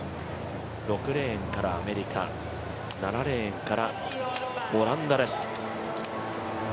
６レーンからアメリカ、７レーンからオランダです。